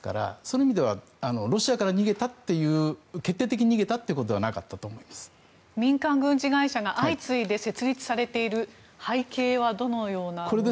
そういう意味では、ロシアから決定的に逃げたということでは民間軍事会社が相次いで設立されている背景はどのようなものなんでしょうか。